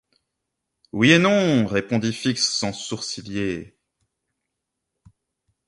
Oui et non, répondit Fix sans sourciller.